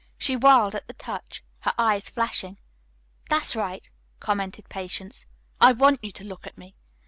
She whirled at the touch, her eyes flashing. "That's right," commented Patience. "I want you to look at me.